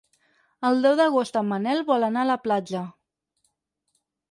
El deu d'agost en Manel vol anar a la platja.